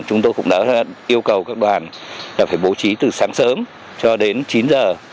chúng tôi cũng đã yêu cầu các đoàn là phải bố trí từ sáng sớm cho đến chín giờ